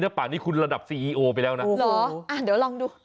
เอ้าเนี่ย